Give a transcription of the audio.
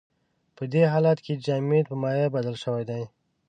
په دې حالت کې جامد په مایع بدل شوی دی.